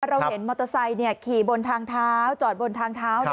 เราเห็นมอเตอร์ไซค์ขี่บนทางเท้าจอดบนทางเท้า